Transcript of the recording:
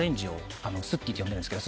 すってぃって呼んでるんですけど